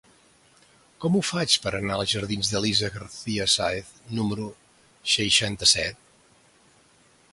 Com ho faig per anar als jardins d'Elisa García Sáez número seixanta-set?